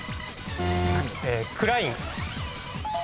クライン。